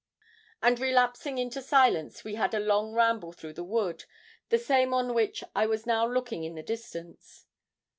And relapsing into silence we had a long ramble through the wood, the same on which I was now looking in the distance.